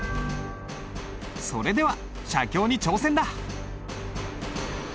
それでは写経に挑戦だ！